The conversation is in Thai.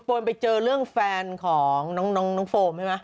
วนไปเจอเรื่องแฟนของน้องโฟมใช่ไหม